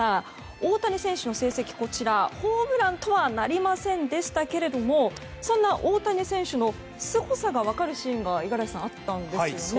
大谷選手の成績はホームランとはなりませんでしたがそんな大谷選手のすごさが分かるシーンが五十嵐さん、あったんですよね。